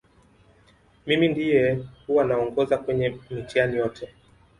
mimi ndiye huwa naongoza kwenye mitihani yote